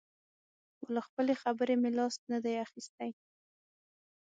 خو له خپلې خبرې مې لاس نه دی اخیستی.